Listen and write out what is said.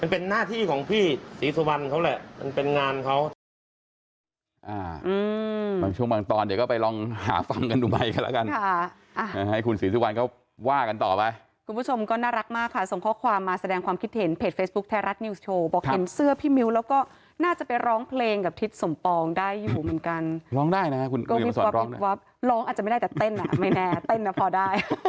เป็นหน้าที่ของพี่ศรีสุวรรณเขาแหละมันเป็นงานเขา